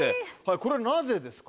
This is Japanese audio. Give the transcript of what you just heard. これはなぜですか？